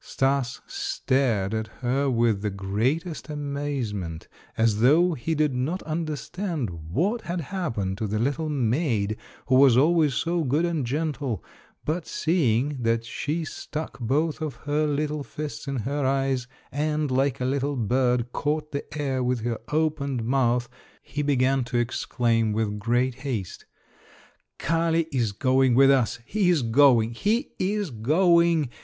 Stas stared at her with the greatest amazement, as though he did not understand what had happened to the little maid who was always so good and gentle, but seeing that she stuck both of her little fists in her eyes and, like a little bird, caught the air with her opened mouth, he began to exclaim with great haste: "Kali is going with us! He is going! He is going!